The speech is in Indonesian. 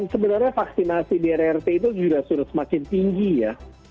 sebenarnya vaksinasi di rrt itu juga sudah semakin tinggi ya